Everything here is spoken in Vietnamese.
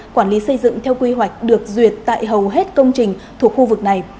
quản lý xây dựng theo quy hoạch được duyệt tại hầu hết công trình thuộc khu vực này